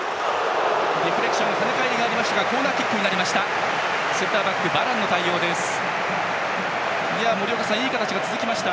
ディフレクション跳ね返りがあってコーナーキックになりました。